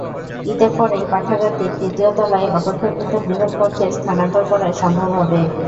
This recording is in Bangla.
ঈদের পরেই পাঠাগারটি তৃতীয় তলায় অপেক্ষাকৃত বৃহৎ কক্ষে স্থানান্তর করা সম্ভব হবে।